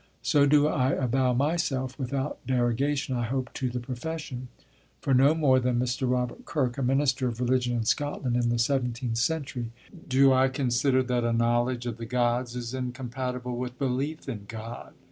So do I avow myself, without derogation, I hope, to the profession; for no more than Mr. Robert Kirk, a minister of religion in Scotland in the seventeenth century, do I consider that a knowledge of the Gods is incompatible with belief in God.